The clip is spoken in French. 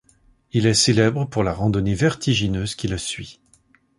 Il est célèbre pour la randonnée vertigineuse qui le suit.